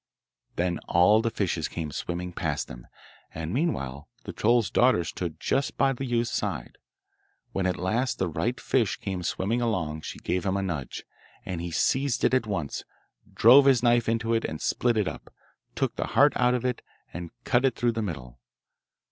Then all the fishes came swimming past them, and meanwhile the troll's daughter stood just by the youth's side. When at last the right fish came swimming along she gave him a nudge, and he seized it at once, drove his knife into it, and split it up, took the heart out of it, and cut it through the middle.